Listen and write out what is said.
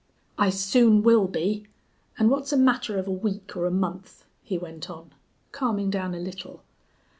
"I soon will be. And what's a matter of a week or a month?" he went on, calming down a little.